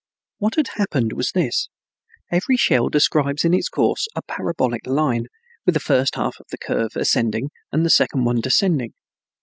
What had happened was this: Every shell describes in its course a parabolic line, with the first half of the curve ascending and the second one descending.